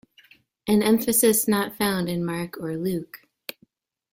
An emphasis not found in Mark or Luke.